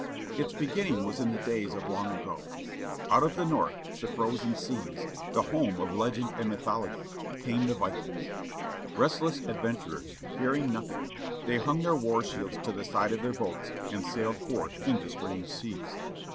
Its beginning was in the days of long ago. Out of the North â the frozen seas â the home of legend and mythology â came the Vikings. Restless adventurers, fearing nothing, they hung their war shields to the side of their boats, and sailed forth into strange seas.